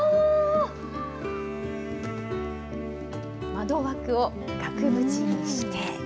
窓枠を額縁にして。